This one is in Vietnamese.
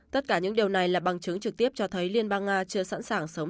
tất cả những điều này là bằng chứng trực tiếp cho thấy liên bang nga chưa sẵn sàng sống